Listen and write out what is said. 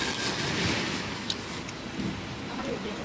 তিনি মাত্র সাত রান ও একটি ক্যাচ গ্লাভস বন্দী করেছিলেন।